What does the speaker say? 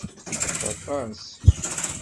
Ileḥḥu aṭas.